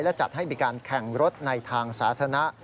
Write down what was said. และจัดให้มีการแข่งรถในทางสาธารณะ